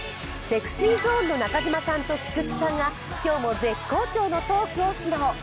ＳｅｘｙＺｏｎｅの中島さんと菊池さんが今日も絶好調のトークを披露。